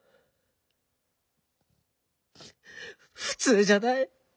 普通じゃない。